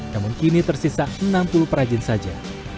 namun kini tersisa enam puluh perajin saja